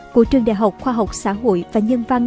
của trường đại học khoa học xã hội và nhân văn